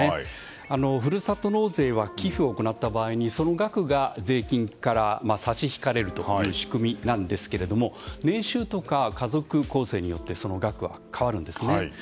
ふるさと納税は寄付を行った場合にその額が税金から差し引かれるという仕組みなんですが年収とか家族構成によってその額が変わるんです。